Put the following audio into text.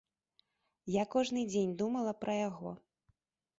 Я кожны дзень думала пра яго.